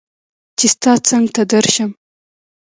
چې ستا څنګ ته درشم